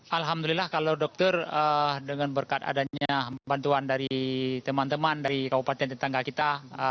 alhamdulillah kalau dokter dengan berkat adanya bantuan dari teman teman dari kabupaten tetangga kita